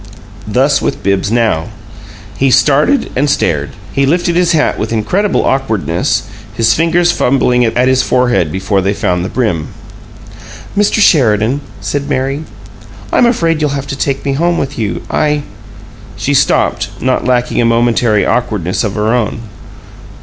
Thus with Bibbs now. He started and stared; he lifted his hat with incredible awkwardness, his fingers fumbling at his forehead before they found the brim. "Mr. Sheridan," said Mary, "I'm afraid you'll have to take me home with you. I " She stopped, not lacking a momentary awkwardness of her own.